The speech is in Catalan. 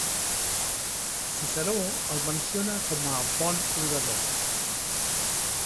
Ciceró el menciona com a bon orador.